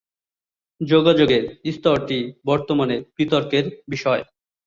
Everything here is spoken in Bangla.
যোগাযোগের স্তরটি বর্তমানে বিতর্কের বিষয়।